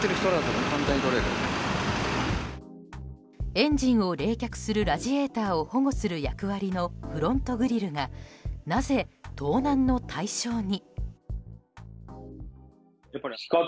エンジンを冷却するラジエーターを保護する役割のフロントグリルがなぜ、盗難の対象に？